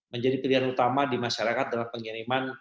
menjadi pilihan utama di masyarakat dalam pengiriman